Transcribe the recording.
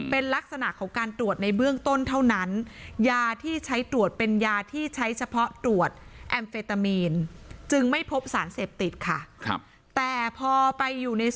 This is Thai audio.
เป็นลักษณะของการตรวจในเบื้องต้นเท่านั้น